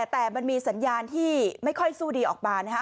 แต่มันมีสัญญาณที่ไม่ค่อยสู้ดีออกมานะฮะ